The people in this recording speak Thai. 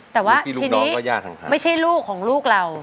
แต่ว่าไม่ใช่ลูกของลูกเรา